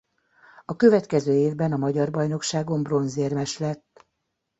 A következő évben a magyar bajnokságon bronzérmes lett.